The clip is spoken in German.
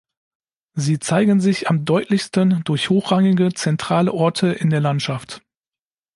Sie zeigen sich am deutlichsten durch hochrangige „zentrale Orte“ in der Landschaft.